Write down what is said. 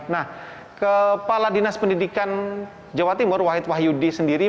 nah kepala dinas pendidikan jawa timur wahid wahyudi sendiri